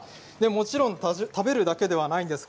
もちろん食べるだけではないんです。